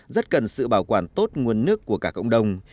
rất cần sự bảo quản tốt nguồn nước của cả cộng đồng